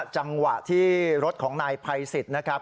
จังหวะที่รถของนายภัยสิทธิ์นะครับ